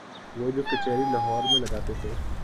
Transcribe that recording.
وہ جو کچہری لاہور میں لگاتے تھے۔